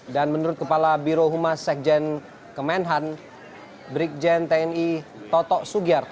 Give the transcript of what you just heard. dan menurut kepala biro humas sekjen kemenhan brikjen tni toto sugiyarto